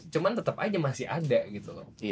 cuman tetep aja masih ada gitu loh